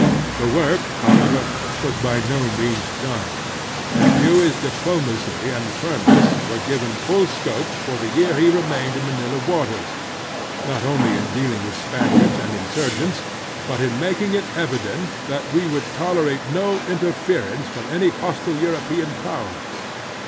The work, however, was by no means done, and Dewey's diplomacy and firmness were given fiall scope for the year he remained in Manila waters, not only in dealing with Spaniards and insurgents, but in making it evident that we would tolerate no interference from any hostile European power.